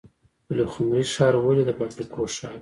پلخمري ښار ولې د فابریکو ښار و؟